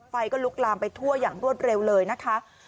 ไฟก็ลุกลามไปทั่วอย่างรวดเร็วเลยนะคะ